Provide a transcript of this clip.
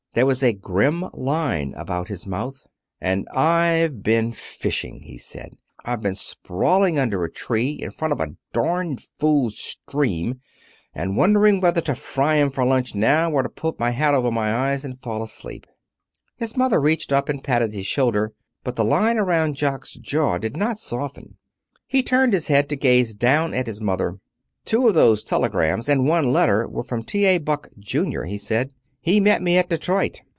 There was a grim line about his mouth. "And I've been fishing," he said. "I've been sprawling under a tree in front of a darned fool stream and wondering whether to fry 'em for lunch now, or to put my hat over my eyes and fall asleep." His mother reached up and patted his shoulder. But the line around Jock's jaw did not soften. He turned his head to gaze down at his mother. "Two of those telegrams, and one letter, were from T. A. Buck, Junior," he said. "He met me at Detroit.